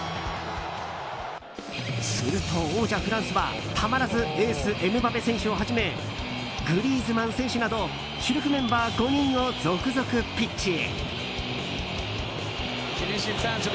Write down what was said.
すると王者フランスはたまらずエース、エムバペ選手をはじめグリーズマン選手など主力メンバー５人を続々ピッチへ。